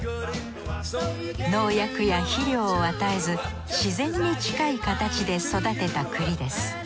農薬や肥料を与えず自然に近い形で育てた栗です。